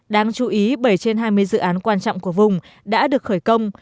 đáng chú ý bảy trên hai mươi dự án quan trọng của vùng đã được khởi công